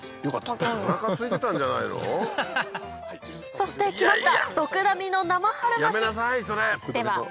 そして来ましたでは。